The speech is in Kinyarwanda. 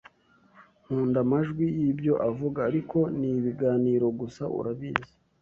Nkunda amajwi y'ibyo avuga, ariko ni ibiganiro gusa, urabizi.